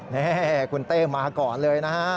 แน่คุณเต้มาก่อนเลยนะครับ